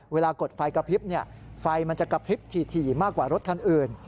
กดไฟกระพริบไฟมันจะกระพริบถี่มากกว่ารถคันอื่น